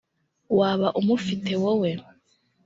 waba umufite wowe